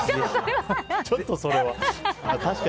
ちょっと、それは。